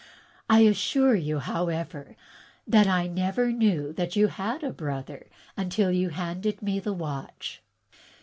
I assure you, how ever, that I never even knew that you had a brother imtil you handed me the watch."